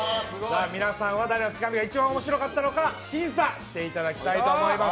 皆さんは誰のつかみが一番面白かったのか、審査していただきたいと思います。